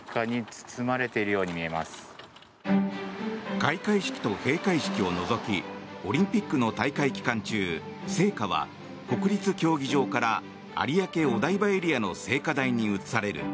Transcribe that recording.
開会式と閉会式を除きオリンピックの大会期間中聖火は国立競技場から有明・お台場エリアの聖火台に移される。